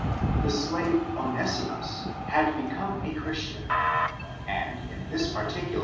The slave Onessimus, had become a Christian,,and, in this particular, he